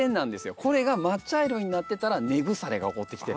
これが真っ茶色になってたら根腐れが起こってきてる。